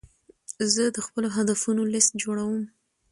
زه د خپلو هدفونو لیست جوړوم.